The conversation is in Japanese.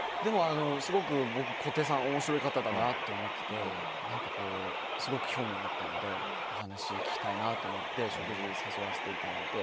すごく僕、小手さん面白い方だなと思っててすごく興味があったのでお話聞きたいなと思って食事に誘わせていただいて